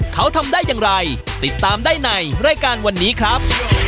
เขาทำได้อย่างไรติดตามได้ในรายการวันนี้ครับ